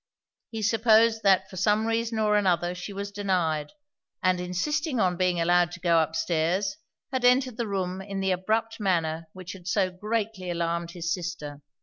He supposed that for some reason or other she was denied; and insisting on being allowed to go up stairs, had entered the room in the abrupt manner which had so greatly alarmed his sister.